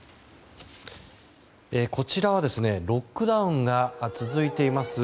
こちらはロックダウンが続いています